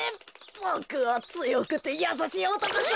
ボクはつよくてやさしいおとこさ。